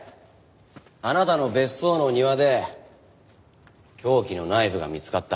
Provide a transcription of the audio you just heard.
あなたの別荘の庭で凶器のナイフが見つかった。